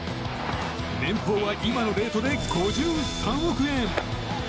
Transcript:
年俸は今のレートで５３億円。